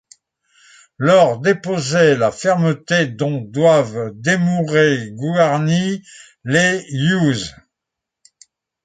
Lors, déposay la fermeté dont doivent demourer guarnis les iuges.